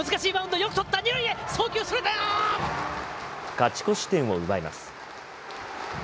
勝ち越し点を奪います。